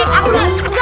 eh aku gak ada